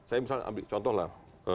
saya misalnya ambil contoh lah